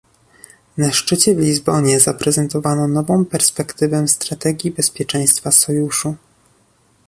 Na szczycie w Lizbonie zaprezentowano nową perspektywę strategii bezpieczeństwa Sojuszu